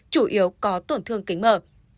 chủ yếu có tổn thương kính mở